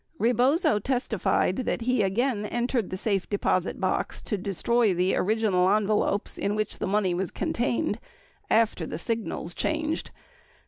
Rebozo testified that he again entered the safe deposit box to destroy the original envelopes in which the money was contained after "the signals changed."